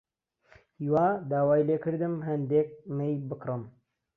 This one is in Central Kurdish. هیوا داوای لێ کردم هەندێک مەی بکڕم.